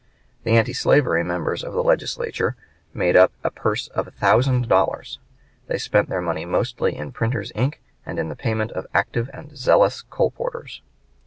The antislavery members of the Legislature made up a purse of a thousand dollars. They spent their money mostly in printer's ink and in the payment of active and zealous colporteurs.